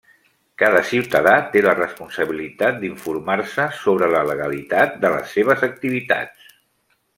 Cada ciutadà té la responsabilitat d'informar-se sobre la legalitat de les seves activitats.